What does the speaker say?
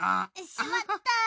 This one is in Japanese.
しまった。